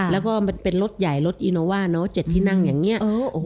แล้วก็มันเป็นรถใหญ่รถอีโนว่าเนอะ๗ที่นั่งอย่างนี้